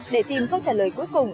để tìm câu trả lời cuối cùng